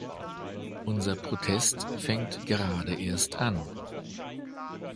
Unser Protest fängt gerade erst an“.